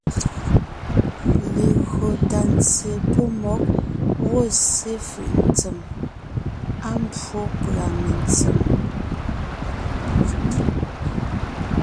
Legÿo tà ntse pɔ́ mmɔ̌g gwɔ̂ ssé fʉ̀’ ntsém, á mbwó pʉ̀a mentsém,